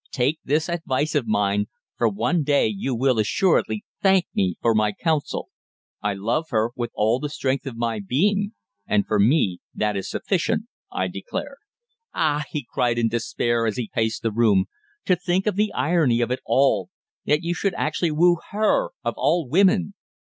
"Take this advice of mine, for one day you will assuredly thank me for my counsel." "I love her with all the strength of my being, and for me that is sufficient," I declared. "Ah!" he cried in despair as he paced the room. "To think of the irony of it all! That you should actually woo her of all women!"